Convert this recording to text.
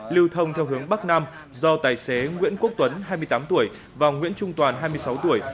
lưu thông theo hướng bắc nam do tài xế nguyễn quốc tuấn hai mươi tám tuổi và nguyễn trung toàn hai mươi sáu tuổi